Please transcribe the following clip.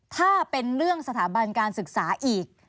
ถ้าเป็นเรื่องสถาบันการศึกษาอีก